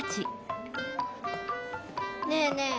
ねえねえ